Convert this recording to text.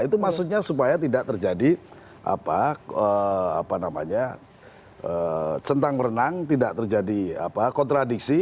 itu maksudnya supaya tidak terjadi centang berenang tidak terjadi kontradiksi